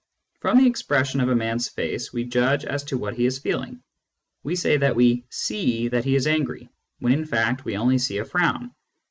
From the expression of a man's face we judge as to what he is feeling : we say we see that he is angry, when in fact we only see a frown.